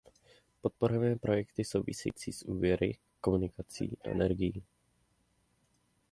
Podporujeme projekty související s úvěry, komunikací a energií.